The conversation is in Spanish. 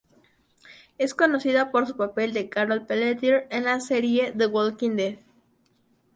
Es conocida por su papel de Carol Peletier en la serie "The Walking Dead".